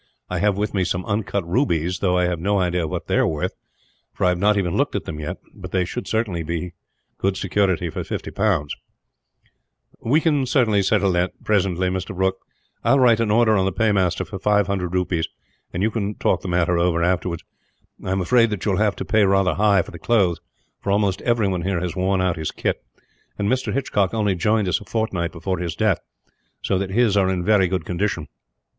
I have with me some uncut rubies; though I have no idea what they are worth, for I have not even looked at them yet; but they should certainly be good security for 50 pounds." "We can settle that presently, Mr. Brooke. I will write an order on the paymaster for 500 rupees; and we can talk the matter over, afterwards. I am afraid that you will have to pay rather high for the clothes, for almost everyone here has worn out his kit; and Mr. Hitchcock only joined us a fortnight before his death, so that his are in very good condition.